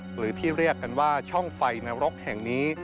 หรือที่เรียกกันว่าช่องไฟนรกแห่งนี้